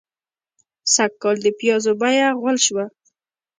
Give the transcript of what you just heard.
سږکال د پيازو بيه غول شوه.